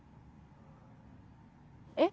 えっ！？